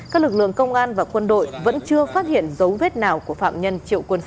các lực lượng công an và quân đội vẫn chưa phát hiện dấu vết nào của phạm nhân triệu quân sự